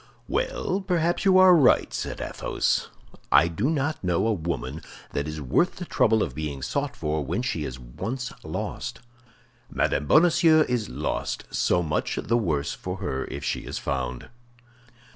"Well, perhaps you are right," said Athos. "I do not know a woman that is worth the trouble of being sought for when she is once lost. Madame Bonacieux is lost; so much the worse for her if she is found."